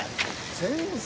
先生？